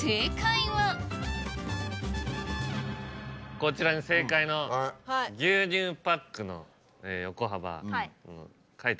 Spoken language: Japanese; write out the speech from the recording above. こちらに正解の牛乳パックの横幅書いてあります。